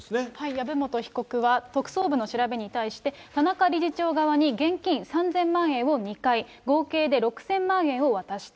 籔本被告は、特捜部の調べに対して、田中理事長側に現金３０００万円を２回、合計で６０００万円を渡した。